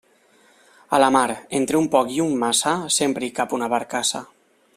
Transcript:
A la mar, entre un poc i un massa, sempre hi cap una barcassa.